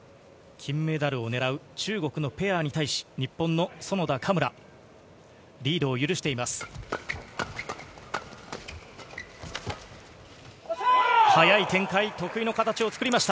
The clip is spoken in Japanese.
金メダルを狙う中国のペアに対し、日本の園田・嘉村、リードを許しています。